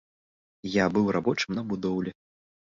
Я быў рабочым на будоўлі.